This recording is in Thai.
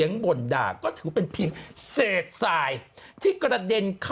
ก็บอกอย่างนี้อูลไปไหนละค่ะ